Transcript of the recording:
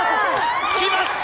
きました！